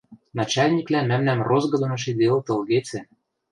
Начальниквлӓ мӓмнӓм розгы доно шиделыт ылгецӹ